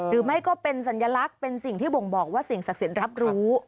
หรือไม่ก็เป็นสัญลักษณ์เป็นสิ่งที่บ่งบอกว่าสิ่งศักดิ์สิทธิ์รับรู้